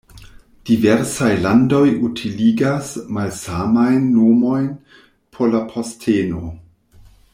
Diversaj landoj utiligas malsamajn nomojn por la posteno.